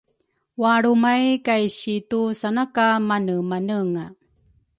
walrumay kay situ sana ka manemanenga.